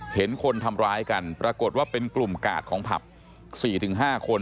เห็นคนทำร้ายกันปรากฏว่าเป็นกลุ่มกาดของผับ๔๕คน